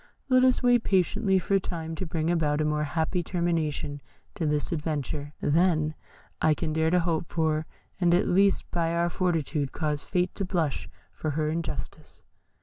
Let us wait patiently for time to bring about a more happy termination to this adventure than I can dare to hope for, and at least by our fortitude cause Fate to blush for her injustice."